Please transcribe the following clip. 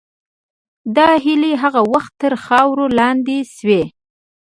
دا هیلې هغه وخت تر خاورې لاندې شوې.